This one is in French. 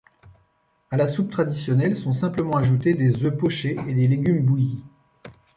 À la soupe traditionnelle sont simplement ajoutés des œufs pochés et des légumes bouillis.